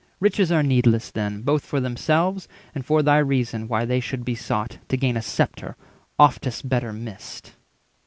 Riches are needless, then, both for themselves, And for thy reason why they should be sought— To gain a sceptre, oftest better missed."